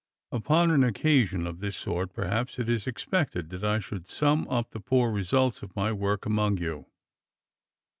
Upon an occasion of this sort perhaps it is expected that I should sum up the poor results of my work among you.